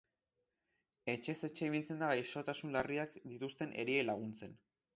Etxez-etxe ibiltzen da gaixotasun larriak dituzten eriei laguntzen.